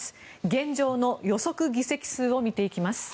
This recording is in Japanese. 現状の予測議席数を見ていきます。